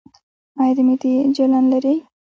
ایا د معدې جلن لرئ؟